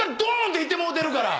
っていってもうてるから。